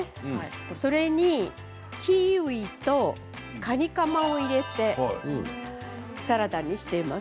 それにキウイとカニかまを入れてサラダにしています。